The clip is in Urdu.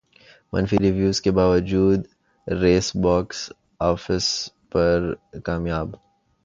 منفی ریویوز کے باوجود ریس باکس افس پر کامیاب